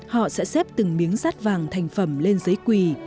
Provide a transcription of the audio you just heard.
họ sẽ xếp từng miếng rát vàng thành phẩm lên giấy quỳ